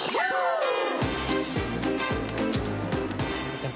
先輩。